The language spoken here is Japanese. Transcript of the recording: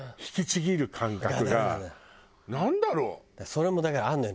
それもだからあるのよ。